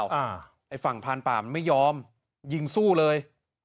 ไอ้ฝั่งพานป่ามันไม่ยอมยิงสู้เลย